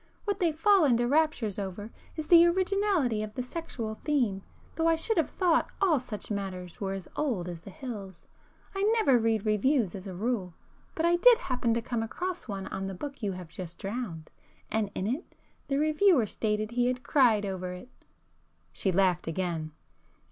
What they fall into raptures over is the originality of the 'sexual' theme, though I should have thought all such matters were as old as the hills. I never read reviews as a rule, but I did happen to come across one on the book you have just drowned,—and in it, the reviewer stated he had cried over it!" She laughed again.